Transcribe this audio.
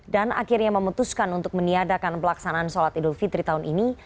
dan akhirnya memutuskan untuk meniadakan pelaksanaan solat idul fitri tahun ini